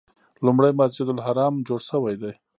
لومړی مسجد الحرام جوړ شوی دی.